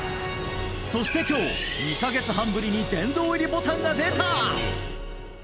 そして今日、２か月半ぶりに殿堂入りボタンが出た！